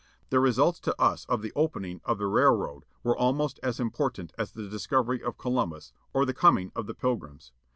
The results to us of the opening of the railroad were almost as important as the discovery of Columbus, or the coming of the Pil grims.